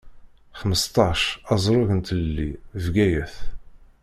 Xmesṭac, azrug n Tlelli, Bgayet.